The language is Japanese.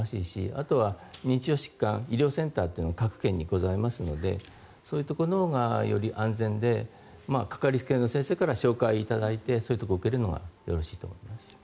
あとは認知症疾患各県にございますのでそういうところのほうがより安全でかかりつけの先生から紹介いただいてそういうところを受けるのがよろしいと思います。